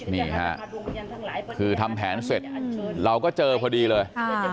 นี่ค่ะคือทำแผนเสร็จเราก็เจอพอดีเลย